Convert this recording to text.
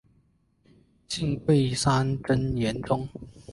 信贵山真言宗。